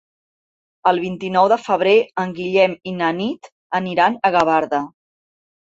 El vint-i-nou de febrer en Guillem i na Nit aniran a Gavarda.